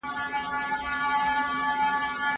دولت د اقتصادي ستونزو سره مخ دی.